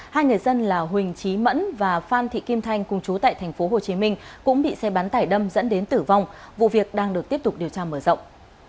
hai người dân là huỳnh trí mẫn và phan thị kim thanh cùng chú tại tp hcm cũng bị xe bán tải đâm dẫn đến tử vong vụ việc đang được tiếp tục điều tra mở rộng